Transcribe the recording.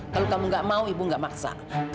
kalau kamu enggak mau ibu enggak maksa